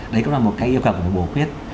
đấy cũng là một cái yêu cầu phải bổ khuyết